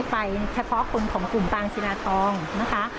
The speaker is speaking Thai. ไปเฉพาะคนของกลุ่มปางศิลาทองนะคะ